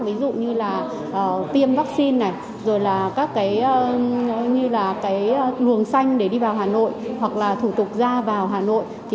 ví dụ như tiêm vaccine luồng xanh để đi vào hà nội hoặc là thủ tục ra vào hà nội